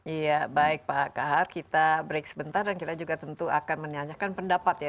iya baik pak kahar kita break sebentar dan kita juga tentu akan menyanyikan pendapat ya